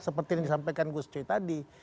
seperti yang disampaikan saya tadi